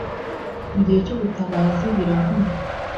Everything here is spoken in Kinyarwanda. mu gihe cy ubutabazi biravuna